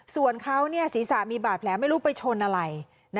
ส่วนเขาศีรษะมีบาดแผลไม่รู้ไปชนอะไร